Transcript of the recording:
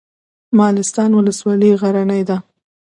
مالستان ولسوالۍ غرنۍ ده؟